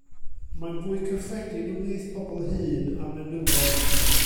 Mae'n fwy cyffredin ymhlith pobl hŷn a menywod.